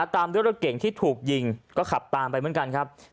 ตามด้วยรถเก่งที่ถูกยิงก็ขับตามไปเหมือนกันครับ